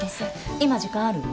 今時間ある？